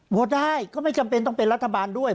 ได้ก็ไม่จำเป็นต้องเป็นรัฐบาลด้วย